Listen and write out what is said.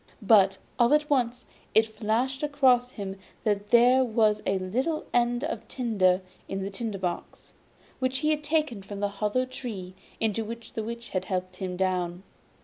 But all at once it flashed across him that there was a little end of tinder in the tinder box, which he had taken from the hollow tree into which the Witch had helped him down.